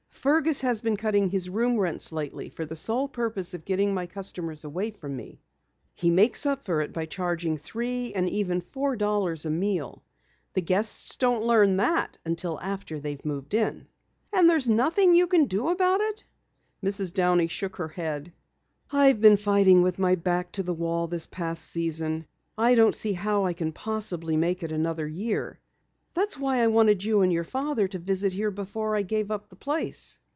"Fergus has been cutting his room rents lately for the sole purpose of getting my customers away from me. He makes up for it by charging three and even four dollars a meal. The guests don't learn that until after they have moved in." "And there's nothing you can do about it?" Mrs. Downey shook her head. "I've been fighting with my back to the wall this past season. I don't see how I possibly can make it another year. That is why I wanted you and your father to visit here before I gave up the place."